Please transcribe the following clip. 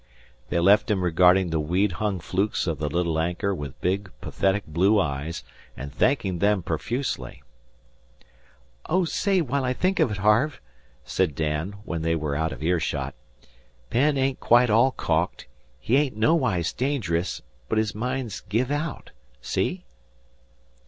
They left him regarding the weed hung flukes of the little anchor with big, pathetic blue eyes, and thanking them profusely. "Oh, say, while I think of it, Harve," said Dan when they were out of ear shot, "Penn ain't quite all caulked. He ain't nowise dangerous, but his mind's give out. See?"